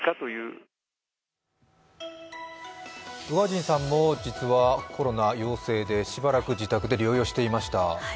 宇賀神さんも実はコロナ陽性でしばらく自宅で療養していました。